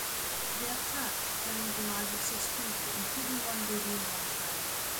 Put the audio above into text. The attack claimed the lives of six people, including one baby and one child.